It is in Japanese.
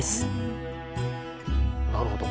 なるほど。